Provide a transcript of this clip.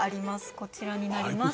こちらになります